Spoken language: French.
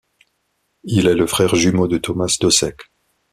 Il est le frère jumeau de Tomáš Došek.